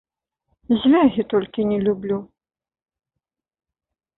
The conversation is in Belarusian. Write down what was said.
Звягі толькі не люблю.